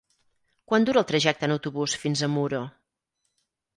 Quant dura el trajecte en autobús fins a Muro?